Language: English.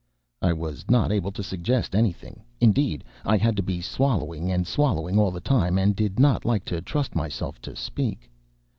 I was not able to suggest anything; indeed, I had to be swallowing and swallowing, all the time, and did not like to trust myself to speak.